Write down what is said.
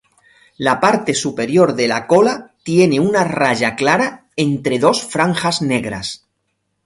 La parte superior de la cola tiene una raya clara entre dos franjas negras.